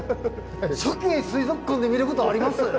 サケ水族館で見ることあります？